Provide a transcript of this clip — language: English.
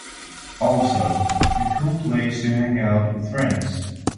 Also, a cool place to hangout with friends.